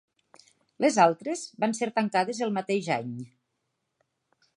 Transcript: Les altres van ser tancades el mateix any.